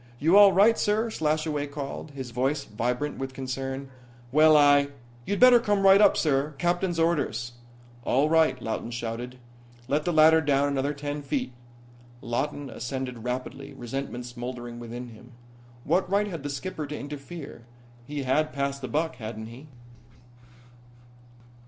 "You all right, sir," Slashaway called, his voice vibrant with concern. "Well, I " "You'd better come right up, sir. Captain's orders." "All right," Lawton shouted. "Let the ladder down another ten feet." Lawton ascended rapidly, resentment smouldering within him. What right had the skipper to interfere? He had passed the buck, hadn't he?